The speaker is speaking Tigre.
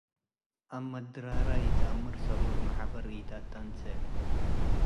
አመት ድራረ ኢትአምር፡ ሰሩር መሕበር ኢተአተንሴ።